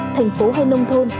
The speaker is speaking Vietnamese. thành phố hay nông thôn